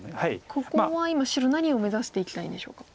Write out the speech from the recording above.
ここは今白何を目指していきたいんでしょうか。